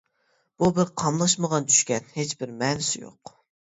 بۇ بىر قاملاشمىغان چۈشكەن، ھېچبىر مەنىسى يوق.